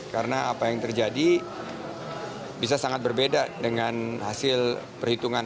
karena apa yang terjadi bisa sangat berbeda dengan hasil perhitungan